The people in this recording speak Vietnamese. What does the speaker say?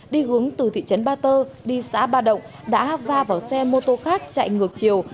đi hướng từ thị trấn ba tơ đi xã ba động đã va vào xe mô tô khác chạy ngược chiều